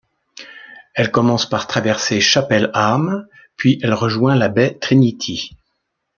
Elle commence par traverser Chapel Arm, puis elle rejoint la baie Trinity.